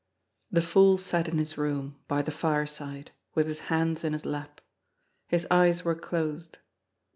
The fool sat in his room, by the fireside, with his hands in his lap. His eyes were closed.